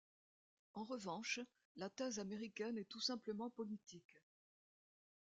En revanche, la thèse américaine est tout simplement politique.